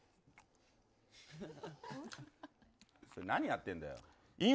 何やってんだよ。